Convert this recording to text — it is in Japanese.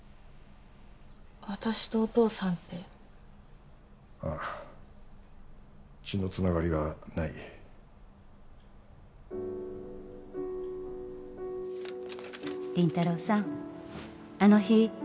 私とお父さんってああ血のつながりはない「林太郎さんあの日」